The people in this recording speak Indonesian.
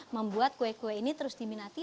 membuat kue kue ini terus diminati